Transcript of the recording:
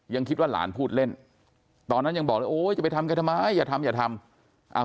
คิดว่าหลานพูดเล่นตอนนั้นยังบอกเลยโอ้ยจะไปทำแกทำไมอย่าทำอย่าทำ